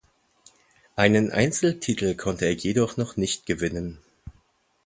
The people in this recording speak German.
Einen Einzeltitel konnte er jedoch noch nicht gewinnen.